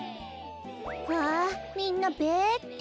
わみんなべって。